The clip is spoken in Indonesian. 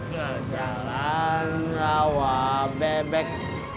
ke jalan rawa bebek